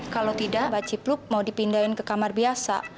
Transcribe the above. kalau tidak mbak cipluk mau dipindahin ke kamar biasa